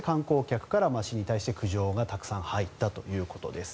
これに対して観光客から市に対して苦情がたくさん入ったということです。